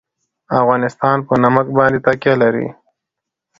افغانستان په نمک باندې تکیه لري.